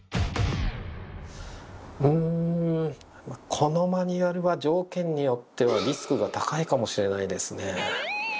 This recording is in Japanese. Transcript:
うんこのマニュアルは条件によってはリスクが高いかもしれないですね。